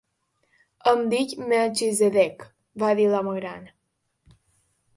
"Em dic Melchizedek", va dir l'home gran.